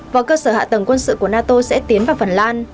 và cơ sở hạ tầng quân sự của nato sẽ tiến vào phần lan